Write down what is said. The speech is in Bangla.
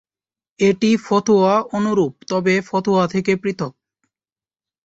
এটি ফতোয়া অনুরূপ তবে ফতোয়া থেকে পৃথক।